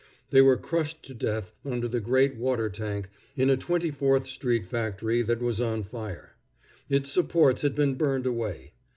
They were crushed to death under the great water tank in a Twenty fourth street factory that was on fire. Its supports had been burned away.